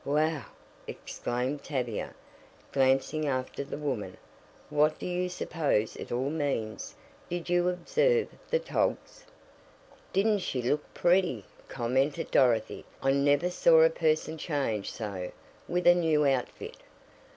"Whew!" exclaimed Tavia, glancing after the woman. "What do you suppose it all means? Did you observe the togs?" "Didn't she look pretty?" commented Dorothy, "I never saw a person change so with a new outfit."